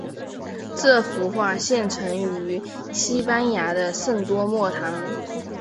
这幅画现存于西班牙的圣多默堂。